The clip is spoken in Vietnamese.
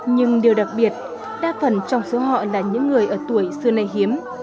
nhưng điều đặc biệt đa phần trong số họ là những người ở tuổi xưa nay hiếm